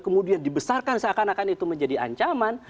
kemudian dibesarkan seakan akan itu menjadi ancaman